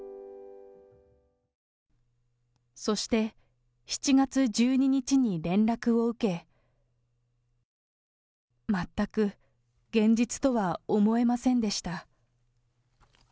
そして７月１２日に連絡を受け、全く現実とは思えませんでした。